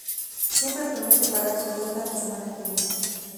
Siempre promete pagar sus deudas la semana que viene...